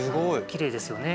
きれいですよね。